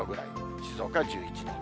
静岡１１度。